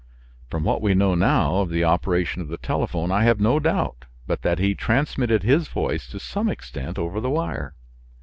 From what we know now of the operation of the telephone I have no doubt but that he transmitted his voice to some extent over the wire.